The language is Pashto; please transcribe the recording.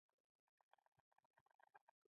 کاکړ د ادب او شاعرۍ سره علاقه لري.